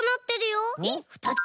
えっふたつ？